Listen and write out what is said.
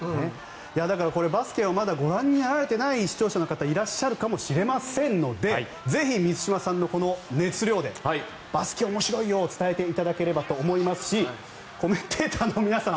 バスケをまだご覧になられていない視聴者の方いらっしゃるかもしれませんのでぜひ満島さんの熱量でバスケ面白いよを伝えてもらえればと思いますしコメンテーターの皆さん